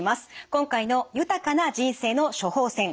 今回の「豊かな人生の処方せん」